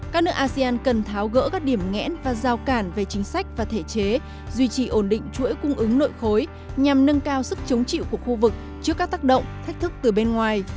các nước asean cần tháo gỡ các điểm nghẽn và giao cản về chính sách và thể chế duy trì ổn định chuỗi cung ứng nội khối nhằm nâng cao sức chống chịu của khu vực trước các tác động thách thức từ bên ngoài